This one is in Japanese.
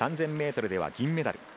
３０００ｍでは銀メダル。